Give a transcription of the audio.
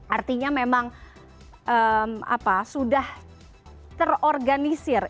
artinya memang sudah terorganisir